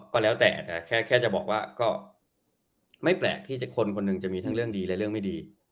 ก็แล้วแต่แค่จะบอกว่าก็ไม่แปลกที่คนคนหนึ่งจะมีทั้งเรื่องดีและเรื่องไม่ดี